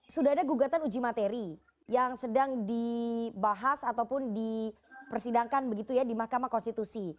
sudah ada gugatan uji materi yang sedang dibahas ataupun dipersidangkan begitu ya di mahkamah konstitusi